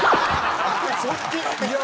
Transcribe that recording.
そっち？